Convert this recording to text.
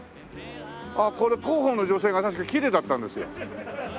これ広報の女性が確かきれいだったんですよ。